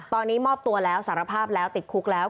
ตอนนี้มอบตัวแล้วสารภาพแล้วติดคุกแล้ว